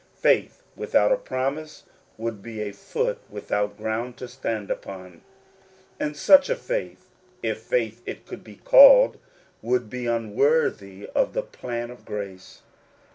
Faith without a promise would be a foot without ground to stand upon ; and such a faith, if faith it could be called, would be unworthy of the plan of grace.